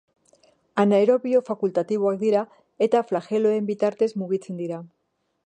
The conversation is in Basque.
Anaerobio fakultatiboak dira eta flageloen bitartez mugitzen dira.